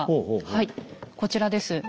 はいこちらです。